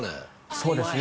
そうですね